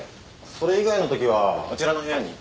それ以外の時はあちらの部屋に。